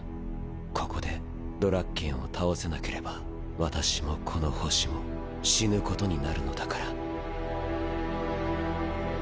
ここでドラッケンを倒せなければ私もこの星も死ぬことになるのだから。